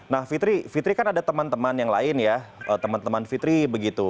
nah fitri fitri kan ada teman teman yang lain ya teman teman fitri begitu